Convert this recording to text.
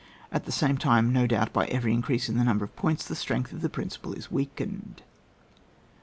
At the same time, no doubt, by every increase in the number of points the strength of the principle is weakened. 505.